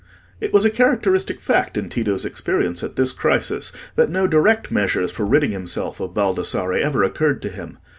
It was a characteristic fact in Tito's experience at this crisis, that no direct measures for ridding himself of Baldassarre ever occurred to him.